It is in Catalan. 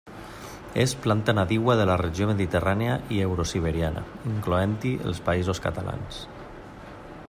És planta nadiua de la regió mediterrània i eurosiberiana, incloent-hi els Països Catalans.